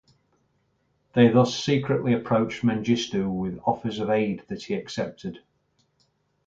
They thus secretly approached Mengistu with offers of aid that he accepted.